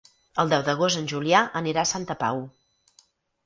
El deu d'agost en Julià anirà a Santa Pau.